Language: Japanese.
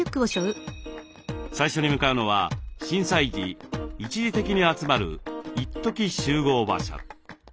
最初に向かうのは震災時一時的に集まる一時集合場所。